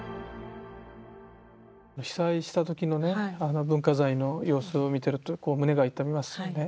被災した時のね文化財の様子を見てると胸が痛みますよね。